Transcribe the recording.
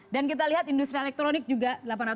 dan kita lihat industri elektronik juga